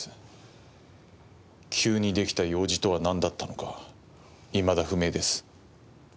急に出来た用事とはなんだったのかいまだ不明です。